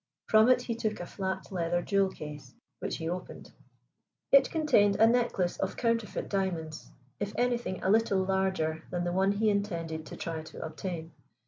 From it he took a flat leather jewel case, which he opened. It contained a necklace of counterfeit diamonds, if anything a little larger than the one he intended to try to obtain.